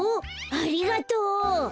ありがとう！